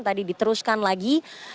tadi diteruskan lagi